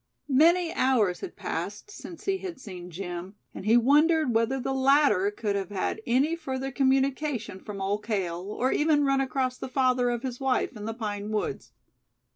Many hours had passed since he had seen Jim, and he wondered whether the latter could have had any further communication from Old Cale, or even run across the father of his wife in the pine woods.